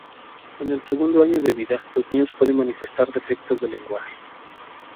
En el segundo año de vida los niños pueden manifestar defectos del lenguaje.